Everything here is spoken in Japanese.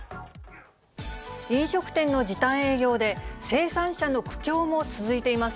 飲食店の時短営業で、生産者の苦境も続いています。